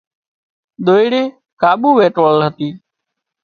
ۮوئيڙي ڪاٻو وينٽوۯل هتي